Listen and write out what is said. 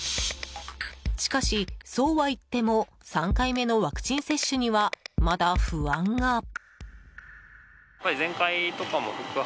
しかし、そうはいっても３回目のワクチン接種にはまだ不安が。